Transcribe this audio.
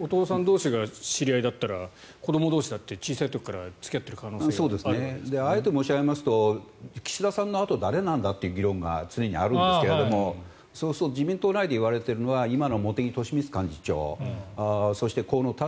お父さん同士が知り合いだったら子ども同士だって小さい時から付き合っている可能性があえて申しますと岸田さんのあと誰なんだという議論が常にあるんですけど自民党内で常に言われているのが今の茂木敏充幹事長そして、河野太郎